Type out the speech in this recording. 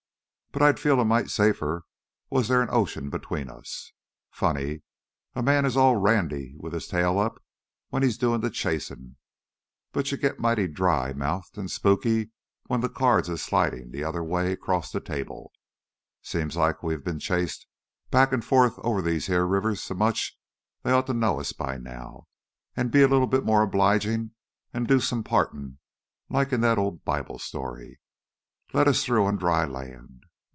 But I'd feel a mite safer was theah an ocean between us. Funny, a man is all randy with his tail up when he's doin' the chasin', but you git mighty dry mouthed an' spooky when the cards is slidin' the other way 'crost the table. Seems like we has been chased back an' forth over these heah rivers so much, they ought to know us by now. An' be a little more obligin' an' do some partin', like in that old Bible story let us through on dry land.